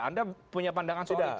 anda punya pandangan sudah itu